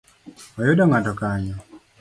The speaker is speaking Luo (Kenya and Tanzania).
Oyudo ng’ato kanyo?